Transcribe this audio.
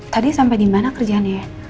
tadi sampai dimana kerjaannya ya